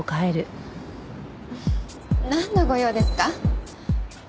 なんのご用ですか？